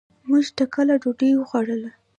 مونږ ټکله ډوډي وخوړله.